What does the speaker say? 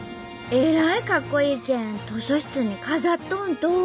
えらいかっこいいけん図書室に飾っとんと！